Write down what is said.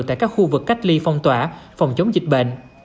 tại các khu vực cách ly phong tỏa phòng chống dịch bệnh